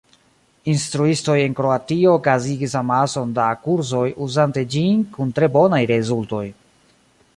Instruistoj en Kroatio okazigis amason da kursoj uzante ĝin kun tre bonaj rezultoj.